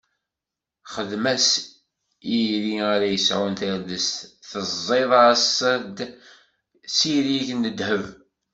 Xdem-as iri ara yesɛun tardest, tezziḍ- as-d s izirig n ddheb.